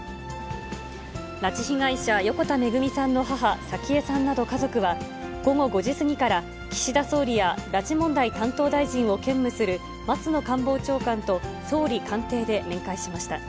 拉致被害者、横田めぐみさんの母、早紀江さんなど家族は、午後５時過ぎから、岸田総理や拉致問題担当大臣を兼務する松野官房長官と、総理官邸で面会しました。